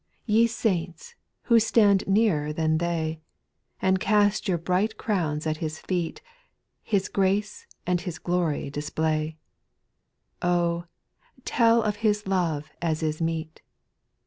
2. Ye saints, who stand nearer than they. And cast your bright crowns at His feet. His grace and His glory display ; Oh ! tell of His love as is meet.